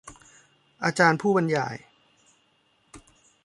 อาจารย์ผู้บรรยาย